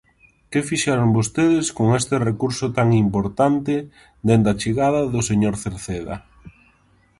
¿Que fixeron vostedes con este recurso tan importante dende a chegada do señor Cerceda?